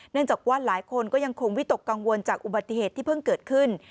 จากว่าหลายคนก็ยังคงวิตกกังวลจากอุบัติเหตุที่เพิ่งเกิดขึ้น